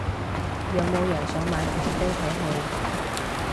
有冇人想買平飛睇戲